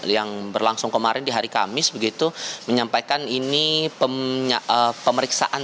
yang berlangsung kemarin di hari kamis begitu menyampaikan ini pemeriksaan